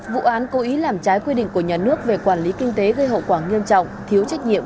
vụ án cố ý làm trái quy định của nhà nước về quản lý kinh tế gây hậu quả nghiêm trọng thiếu trách nhiệm